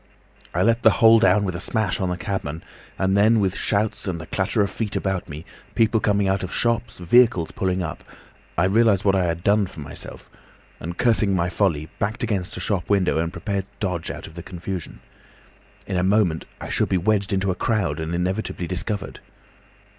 I let the whole down with a smash on the cabman, and then, with shouts and the clatter of feet about me, people coming out of shops, vehicles pulling up, I realised what I had done for myself, and cursing my folly, backed against a shop window and prepared to dodge out of the confusion. In a moment I should be wedged into a crowd and inevitably discovered.